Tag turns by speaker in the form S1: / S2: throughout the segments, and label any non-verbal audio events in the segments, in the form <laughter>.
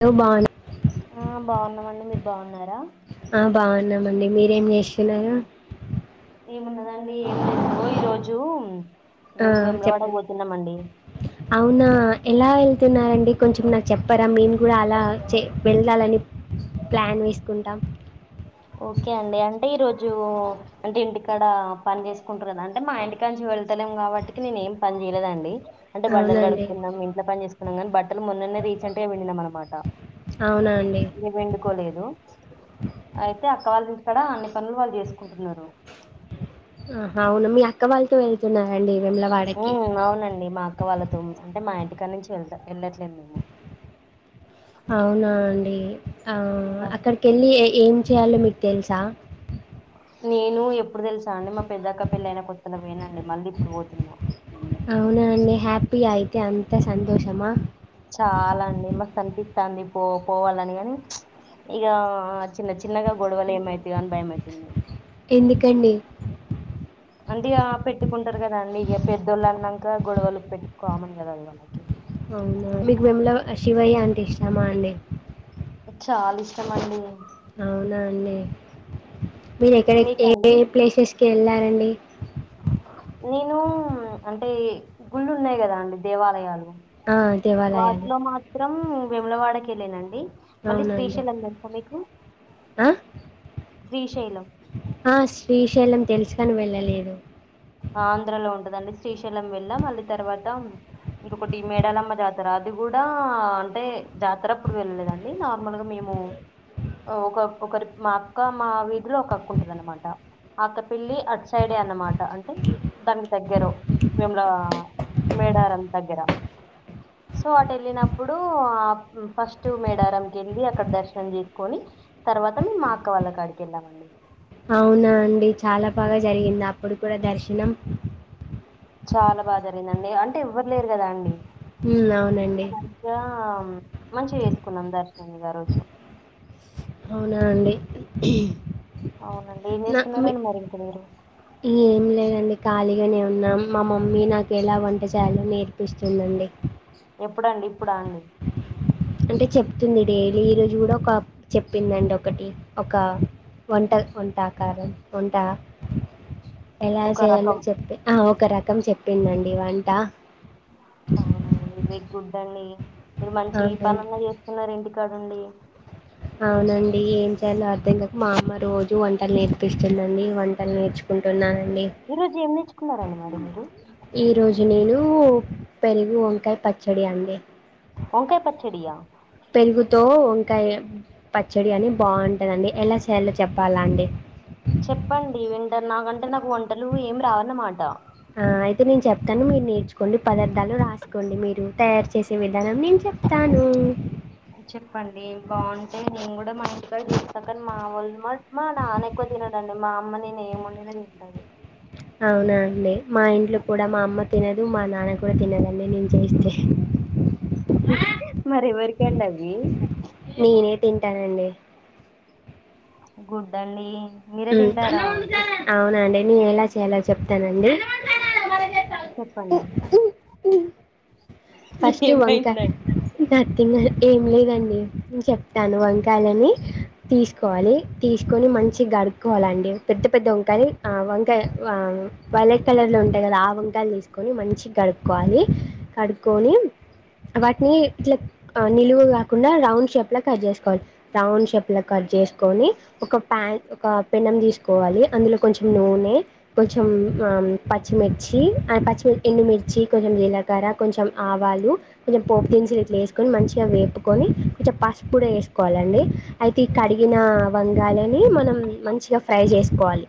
S1: దో బానే
S2: మ్మ్ బావున్నమండి మీరు బావున్నారా
S1: ఆ బావున్నామండి మీరేం జేసున్నారు
S2: ఏమున్నదండి ఏం లేదు ఈ రోజు
S1: ఆ చెప్పండి అవునా ఎలా వెళ్తున్నారండి కొంచెం నాక్ చెప్పరా మేము కూడా అలా చే వెళ్ళాలని ప్లాన్ వేస్కుంటాం.
S2: ఓకే అండి అంటే ఈ రోజు అంటే ఇంటికాడ పని చేసుకుంట్రు కదా అంటే మా ఇంటికాంచి వెళ్తలేం కాబట్టికి నేనేం పన్ చేయలేదండి. అంటే బండలు
S1: అవునండి
S2: కడుక్కున్నాం ఇంట్లో పని చేసుకున్నాం గని బట్టలు మొన్ననే రీసెంట్గా విండినాం అనమాట
S1: అవునా అండి
S2: ఇగ పిండుకోలేదు. అక్క వాళ్ళింటి కాడ అన్ని పనులు వాళ్ళు చేసుకుంటున్నారు.
S1: అహ అవునా మీ అక్క వాల్తో వెళ్తున్నారండి వేములవాడకి
S2: మ్మ్ అవునండి మా అక్క వాళ్ళతో అంటే మా ఇంటిక్ అక్కడ్నుంచి ఎల్త ఎళ్ళట్లేదు మేము
S1: అవునా అండి ఆ
S2: మేము
S1: అక్కడికెళ్ళి ఎ ఏం చేయాలో మీక్ తెల్సా
S2: నేను ఎప్పుడు తెలుసా అండి మప్ పెద్దక్క పెళ్ళైన కొత్తలో పొయ్నా అండి మళ్ళిప్పుడు వోతున్నా
S1: పి ఐతే అంత సంతోషమా
S2: చాలా అండి మస్తనిపిస్ తాంది పో పోవాలని గని ప్చ్ ఇగ చిన్న చిన్నగా గొడవలు ఏమైత్ తిగ అన్ భయమైతున్ది
S1: ఎందుకండి
S2: అంటే ఇగ పెట్టుకుంటరు కదా అండి ఇగ పెద్దోళ్ళనంక గొడవలు పెట్టు కామన్ కదా అది వాళ్ళకి
S1: అవునా మీకు వేముల శివయ్య అంటే ఇష్టమా అండి
S2: చాల్ ఇష్టమండి
S1: అవునా అండి మీరెక్కడక్ ఏ
S2: మీకండి
S1: ఏ ప్లేసెస్ కేఎల్లారండి
S2: నేను అంటే గుళ్ళు ఉన్నాయి కదా అండి దేవాలయాలు
S1: ఆ, దేవాలయాలు
S2: వాటిలో మాత్రం విములవాడకి కీ లేనండి మళ్ళీ
S1: అవునా అండి
S2: శ్రీశైలం తెల్సా మీకు
S1: ఆ?
S2: శ్రీశైలం
S1: తెలుసుకని వెళ్ళలేదు
S2: ఆంధ్రలో ఉంటదండి శ్రీశైలం వెళ్ళాం మళ్ళ తర్వాత ఇంకొకటి మేడాలమ్మ జాతర అది కూడా అంటే జాతర అప్పుడు వెళ్ళలేదండి నార్మల్గా మేము ఒక ఒకరి మా అక్క మా వీధిలో ఒక అక్క ఉంటంది అన్నమాట ఆ అక్క పెళ్లి అట్ సైడే అన్నమాట అంటే అంటే దాని దగ్గరో మేము మేడారం దగ్గర సో అటు వెళ్ళినప్పుడు ఆ ఫస్ట్ మేడారంకి వెళ్ళి అక్కడ దర్శనం చేసుకొని తర్వాత మేము మా అక్క వాళ్ళ కాడికి వెళ్ళామండి
S1: అవునా అండి చాలా బాగా జరిగింది అప్పుడు కూడా దర్శనం
S2: చాలా బాగా జరిగిందండి అంటే ఎవ్వరు లేరు కదా అండి
S1: ఉమ్,
S2: ఏ
S1: అవునండి
S2: మధ్య మంచిగా వేసుకున్నాం దర్శనిగా ఆ రోజు
S1: అవునా అండి
S2: అవునండి ఏం
S1: నా
S2: చేస్తున్నారండి మరి ఇంక మీరు
S1: ఏం లేదండి ఖాళీగానే ఉన్నాం మా మమ్మీ నాకు ఎలా వంట చేయాలో నేర్పిస్తుందండి
S2: ఎప్పుడండి ఇప్పుడా అండి
S1: అంటే చెప్తుంది డైలీ ఈ రోజు కూడా ఒక చెప్పిందండి ఒకటి ఒక వంటల్ వంటాకారం వంటా ఎలా
S2: ఒక
S1: చేయయాలో
S2: రకం
S1: చెప్తె ఆ ఒ ఒక రకం చెప్
S2: అవునండి వెగ్ గుడ్డ్ అండి మీరు మంచి గ ఈ
S1: అవునండి
S2: పనన్నా చేస్తున్నార్ అండి తడండి
S1: అవునండి ఏం చేయాలో అర్థందుకు మా అమ్మ రోజు వంటలు నేర్పిస్తుందండి వంటలు నేర్చుకుంటున్నాను
S2: ఈ రోజు ఏం నేర్చుకున్నార అండి మరి మీరు
S1: ఈరోజు నేను పెరుగు వంకాయ పచ్చడి అండి
S2: బంకాయ పచ్చడియా
S1: పెరుగుతో బంయకా పచ్చడి అని బాగుంటదండి ఎలా చేయాలో చెప్పాలా అండి
S2: చెప్పండి వింటర్ నాకంటే నాకు వంటలు ఏమి రావనన్నమాట
S1: ఆ అయితే నేను చెప్తాను మీరు నేర్చుకోండి పదార్థాలు రాసుకోండి మీరు తయారు చేసే వెళ థనం నేను చెప్తాను
S2: చెప్పండి బాగుంటే నేను మా ఇంటికాడ చస్తకం మావల్మ మట్ మా నాన్న ఎక్కువ తినడం అే మా అమ్మ నేను ఏం బండిన తింటది
S1: అవునా అండి మా ఇంట్లో కూడా మా అమ్మ తో తినదు మా నాన్న కూడా తినదండి నేను చేస్తే
S2: మరి ఎవరీకండావి
S1: నేనే తింటానండి
S2: గుడ్ డండి
S1: అవునండి నేన్ ఎలా చేయాలో చెప్తానండి
S2: చెప్పండి
S1: ఫస్ట్ వంకాయ్
S2: ఏమైందండి
S1: ఏం లేదండి. నను చెప్తాను వంకాయలని తీసుకోవాలి. తీసుకొని మంచిగా గడుక్కోవాలండి. పెద్ద పెద్ద వంకాయలు, వంకాయ వైలెట్ కలర్ లో ఉంటాయి కదా ఆ వంకాయలు తీసుకొని మంచిగా గడు క్కోవాలి కడు వాటిని ఇట్లా నిలువు కాకుండా రౌండ్ షేప్లా కట్ చేసుకోవాలి. రౌండ్ షేప్లా కట్ చేసుకని ఒక ప్యాన్, ఒక పెనం తీసుకోవాలి. అందులో కొంచం నూనె కొంచం పచ్చిమిర్చి ఆ ఎండు మిర్చి కొంచం జీలకర్ర కొంచెం ఆవాలు కొంచెం పోపు దినుసులు ఇట్లా యేసుకొని మంచిగా వేంపుకొని కొంచెం పసుపు కూడా వేసుకోవాలండి. అయితే ఈ కడిగిన వంగాయలని మనం మంచిగా ఫ్రై చేసుకోవాలి.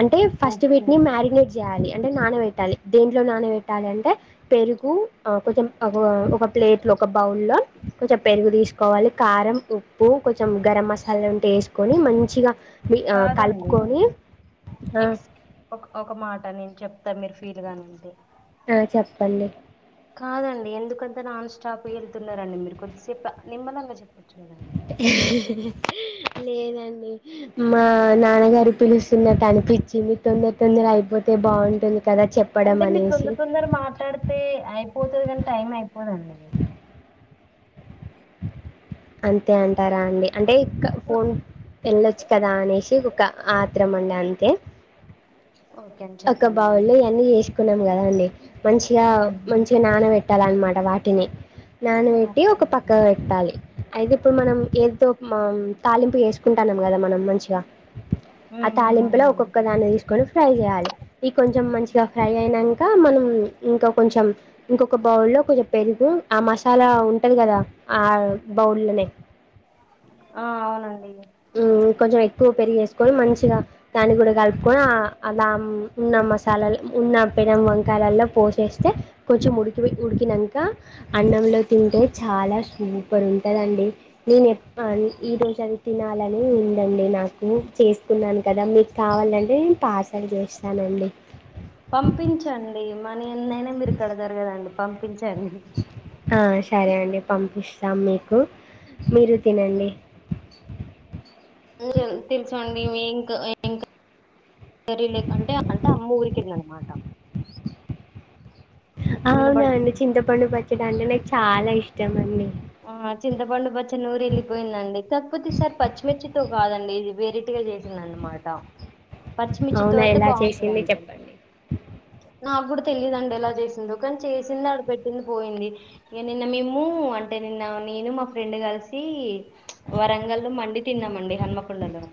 S1: అంటే ఫస్ట్
S2: ఓకే
S1: వీటిని మ్యారినేట్ చేయాలి అంటే నానబెట్టాలి. దేంట్లో నానబెట్టాలి అంటే పెరుగు కొంచెం ఒక ప్లేట్లో ఒక బౌల్లో కొంచెం పెరుగు తీసుకోవాలి. కారం ఉప్పు కొంచెం గరం మసాలా ఉంటే వేసుకొని మంచిగా మి- ఆ,
S2: కాదండి.
S1: కలుపుకొని ఆ,
S2: ఎక్స్ ఒక మాట నేను చెప్తా. అంత మీరు ఫీల్ గాను ఉంది
S1: ఆ చెప్పండి
S2: కాదండి. ఎందుకంతా నాన్ స్టాప్ వెళ్తున్నారండి. మీరు కొద్దిసేపు నిమ్మలంగా చెప్
S1: లేదండి. మా నాన్నగారు పిలుస్తున్నట్టు అనిపించింది. తొందర తొందర అయిపోతే బాగుంటుంది. కదా చెప్పడం
S2: అంటే మీరు
S1: అనేసి
S2: తొందర, తొందర మాట్లాడితే అయిపోతుంది. కానీ టైం అయిపోదండి.
S1: అంతే అంటారా అండి. అంటే <unintelligible> ఫోన్ వెళ్ళొచ్చు. కదా అనేసి ఒక ఆత్రం అండి అంతే
S2: ఓకే అండి
S1: అక్క
S2: చెప్పండి
S1: బావలో ఇయ్ అన్ని కున్నాం కదా అండి మంచిగా
S2: ఉమ్,
S1: మంచిగా నాన పెట్టాలన్నమాట వాటిని నాన పెట్టి
S2: ఓకే
S1: ఒక
S2: అండి
S1: పక్ ట్టాలి. అయితే ఇప్పుడు మనం ఏదో తాలింపు వేసుకుంటాన్నాం. కదా మనం మంచిగా ఆ
S2: ఉమ్, ఉమ్,
S1: తాలింపులో
S2: అవును.
S1: ఒక్కొక్క దాన్ని తీసుకొని ఫ్రై చేయాలి. ఇది కొంచెం మంచి గా ఫ్రై ఐనంకా మనం ఇంకా కొంచెం ఇంకొక బౌల్ లో కొంచె పెరుగు అ మస్ చాలా ఉంటది కదా ఆ బౌల్లనే
S2: ఆ, అవునండి
S1: మ్మ్ కొంచెం ఎక్కువ పెరుగు ఎస్కొని మంచిగ దాన్ని కూడా కలుపుకొని ఆ అలా ఉన్న మసాలల్ ఉన్న పెనం వంకాయ్లల్లో పోసేస్తే కొంచెం ఉడికి ఉడికినంక అన్నంలో తింటే చాలా సూపర్ ఉంటదండి, నేనెప్ అనీ ఈ రోజది అలానే ఉందండి నా నాకు చేసుకున్నాను కదా, మీకావాలంటే నేన్ పార్సల్ చేస్తానండి.
S2: పంపించండి మ నీ ఏన్నైనా మీరు కడతారు కదండీ. పంపించ్ సర్నీ
S1: ఆ సరే అండి పంపిస్తాం మీకు మీరు తినండి.
S2: <inaudible> తెలుసు అండి, మీ ఇంక్ ఇంక రిలేకంటే అంటే అమ్మ వూరికేల్నాన్ మాట
S1: అవ్ నా అండి చింత పండు పచ్ చ్చడి అంటే నాక్ చాలా ఇష్టం అండి.
S2: ఆ చింతపండు పచ్చడి నూరెళ్ళిపోయిందండి. తప్పోతే ఈ సారి పచ్చిమిర్చితో కాదండి, ఇది వేరటిగా జెస్ సిందన్నమాట పచ్చిమిర్చితో
S1: అవునా
S2: ఐతే
S1: ఎలా చేసింది
S2: బావుంటదండి.
S1: చెప్పండి
S2: అప్పుడు తెలీదండి ఎలా చేసిందో, కన్ చేసిందాడ పెట్టింది పోయింది. ఇగ నిన్న మేము అంటే నిన్న నేను మా ఫ్రెండ్ కలిసి ప్చ్ వరంగల్లు మండి తిన్నామండి. హన్మకొండలో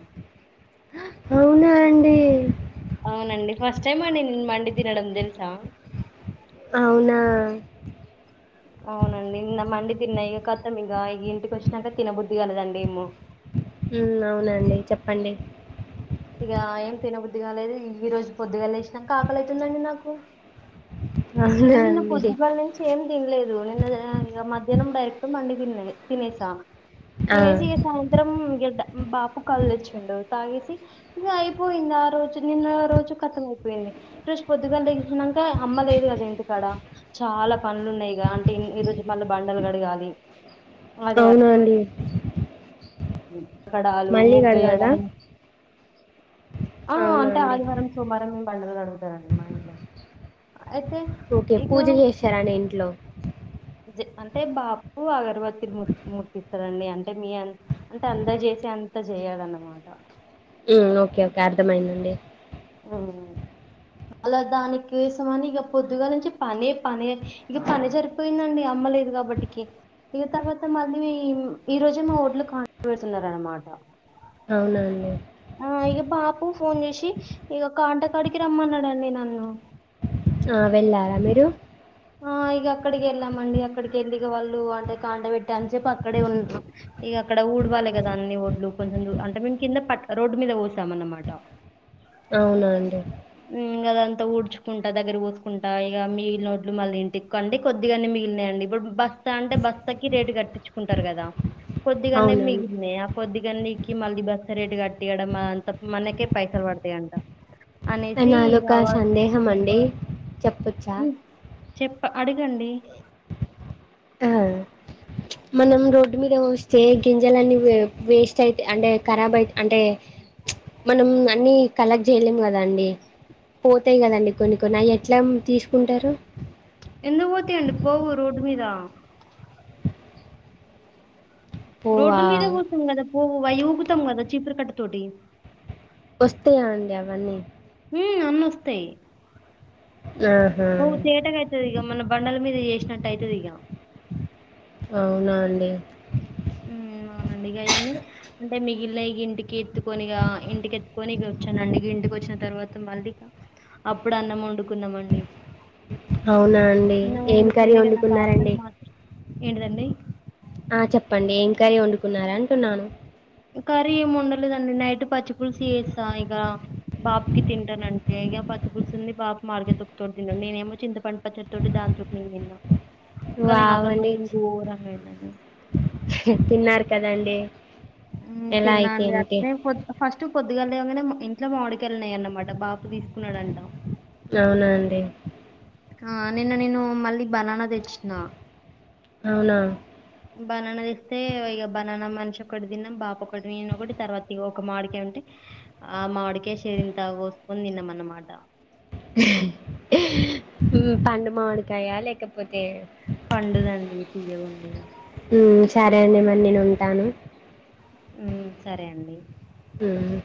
S1: హ అవునా అండి
S2: అవునండి ఫస్ట్ టైం అండి నేను మండి తినడం తెలుసా
S1: అవునా
S2: అవునండి నిన్న మండి తిన్నా ఇగ కతం ఇగ ఇంటికి వచ్చినాక తినబుద్ధి కాలేదండి ఏమో
S1: మ్మ్ అవునండి చెప్పండి
S2: ఇగ ఏం తినబుద్దిి కాలేదు, ఈ రోజు పొద్దుగాలేసినంక ఆకలైతుందండి నాకు అంటే
S1: అవునా
S2: నిన్న
S1: అండి
S2: పొద్దుగాల్ నుంచి ఏం తిన్లేదు నిన్న ఆ ఇంగ మధ్యాహ్నం డైరెక్ట్ మండి తిన్నా నే తినేసా
S1: ఆ!
S2: తినేసి ఇగ సాయంత్రం గెడ్డ బాపు కళ్ తెచ్చిండు. తాగేసి ఇగ ఐపోయింది. ఆ రోజు నిన్న రోజు కథమైపోయింది. ఫ్రెష్ పొద్దుగాల లేగిసినంక అమ్మలేదు కద్ జే ఇంటికాడ చాలా పనులున్నాయిగా అంటే ఈ రోజు మళ్ళీ బండలు కాడగాలి
S1: అవునా అండీ
S2: కడాలు
S1: మళ్ళీ కడగాలా
S2: ముగ్గేయడం, ఆ
S1: అవునా
S2: అంటే
S1: అండి
S2: ఆదివారం సోమవారంమే బండాలు కడుగుతారండి మా ఇంట్లో అయితే
S1: ఓకే
S2: ఇక
S1: పూజ చేశారా అండి ఇంట్లో
S2: అంటే బాపు ఆగర్వత్ అగర్వత్ ముట్టిస్తారండి. అంటే మీ అన్ అంటే అంత చేసి అంత చేయాలన్నమాట
S1: ఓకే ఓకే అర్థమైందండి
S2: ఊ అలా దానికోసమని ఇక పొద్దుగా నుంచి పనే పని ఇక పని సరిపోయిందండి. అమ్మలేదు కాబట్టికి ఇక తర్వాత మళ్ళీ ఈ రోజే మా ఓట్లు కాంటకడ్ వెడుతున్నారనమాట
S1: అవునాండి
S2: ఆ ఇక బాపు ఫోన్ చేసి ఇక కాంటకాడికి రమ్మన్నాడండి. నన్ను
S1: ఆ వెళ్లారామీరు
S2: ఆ ఇక అక్కడికి వెళ్ళామండి. అక్కడికి వెళ్ళిగ వాళ్ళు అంటే కాండ పెట్టి అని చెప్పి అక్కడే ఉండు. ఇక అక్కడ ఊడవాలి కదా అన్ని ఒడ్లు కొంచెం అంటే మేము కింద పట్ట రోడ్డు మీద పోసాం అన్నమాట.
S1: అవునా అండి
S2: ఊ గదంతా ఉడ్చుకుంట దగ్గరకు పోస్కుంటా ఇగ మిగిలినోడ్లు మళ్ళీ ఇంటికండి కొద్దిగన్ని మిగిలినయండి ఇప్పుడు బస్తా అంటే బస్తాకి రేటు కట్టించుకుంటారు. కదా కొద్దిగన్నె
S1: అవునండి
S2: మిగిలినాయి ఆ కొద్దిగన్నికీ మళ్ళీ బస్ రేటు కట్టి ఇయడం అదంత మనకే పైసలు పడతాయంట అనేసి ఇగ
S1: నాదొక సందేహం అండి చెప్పచ్చా
S2: చెప్ప్ అడగండి
S1: ఆ మనం రోడ్డు మీద వోస్తే గింజలన్నీ వే వేస్ట్ అయితయి అంటే కరాబ్ అయి అంటే ప్చే మనం అన్ని కలెక్ట్ చేయలేం కదా అండి పోతాయి కదండి కొన్ని కొన్ని అవి ఎట్లా తీసుకుంటారు
S2: అ రోడ్
S1: పోవా
S2: మీద పోసం కదా పో పోవు అయ్యి ఊకుతం కదా చిపిరికట్టతోటి
S1: వస్తయ్యా అండి అవన్నీ
S2: హు అన్ని వస్తాయ్
S1: ఆహా
S2: హో తేటగయితదిగా ఇగ మనం బండల మీద చేసినట్టు అయితదిగా
S1: అవునా అండి
S2: ఇలాగ్ ఇంటికి ఎత్తుకొని ఇగా ఇంటికి ఎత్తుకొనిగా వచ్చానండి ఇంటికి వచ్చిన తర్వాత మళ్ళీక అప్పుడు అన్నం వండుకొని
S1: అవునా అండి
S2: అన్నం
S1: ఏం కర్రీ
S2: వండుకుని ఇక నాకు ఆకలి
S1: వండుకున్నారండి.
S2: మాత్రం ఏంటిదండి.
S1: ఆ చెప్పండి ఏం కర్రీ వండుకున్నారా అంటున్నాను.
S2: కర్రీ ఏం వండలేదండి నైట్ పచ్చి పులుసు చేసా ఇక బాప్కి తింటానంటే ఇక పచ్చిపులుసు ఉంది బాపు మాడికాయ తొక్కతో తింటాడు నేనేమో చింతపండు పచ్చడతో దానితోటి నేను తిన్నా కానీ
S1: వావ్
S2: ఆకలి
S1: అండి.
S2: మాత్రం ఘోరంగా అయిందండి.
S1: ఆహ్ తిన్నారు కదండి.
S2: హ్మ్
S1: ఎలా అయితే
S2: తిన్నాండి
S1: ఏంటి
S2: అట్ట్నె ఫస్ట్ పొద్దుగాలి లేవంగానే ఇంట్లో మామిడికాయలు ఉన్నాయన్నమాట బాపు తీసుకున్నాడు అంటా
S1: అవునా అండి
S2: ఆ నిన్న నేను మళ్ళీ బనానా తెచ్చిన
S1: అవునా
S2: బనానా తెస్తే ఇక బనానా మనిషికి ఒకటి తిన్నాం బాపు ఒకటి నేన్ ఒకటి తర్వాత ఇగొ ఒక మామిడికాయ్ ఉంటే ఆ మామిడికాయ్ చెరింత కోసుకొని తిన్నాం అన్నమాట
S1: హేహే హ్మ్ పండు మామిడికాయా లేకపోతే
S2: పండుదండి తీయ్యగుంది
S1: ఉమ్, సరే అండి నేను ఉంటాను
S2: హ్మ్ సరే అండి
S1: ఉమ్.